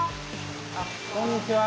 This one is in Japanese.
あっこんにちは。